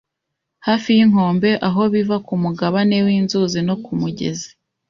hafi yinkombe aho biva kumugabane winzuzi no kumugezi